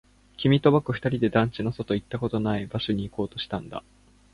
君と僕二人で団地の外、行ったことのない場所に行こうとしたんだ